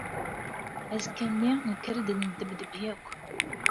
Azekka-nni nekker-d neddebdeb akk.